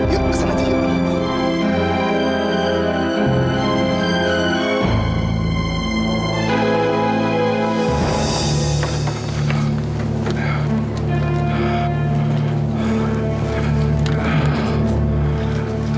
yuk kesana yuk